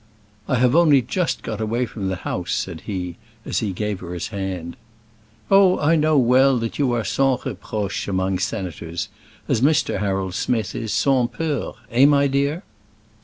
"I have only just got away from the House," said he, as he gave her his hand. "Oh, I know well that you are sans reproche among senators; as Mr. Harold Smith is sans peur; eh, my dear?"